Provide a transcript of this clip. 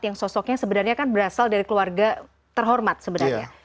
yang sosoknya sebenarnya kan berasal dari keluarga terhormat sebenarnya